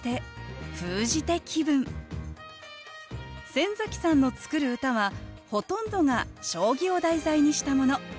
先崎さんの作る歌はほとんどが将棋を題材にしたもの。